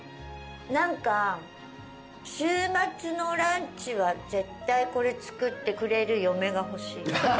何か週末のランチは絶対これ作ってくれる嫁が欲しい。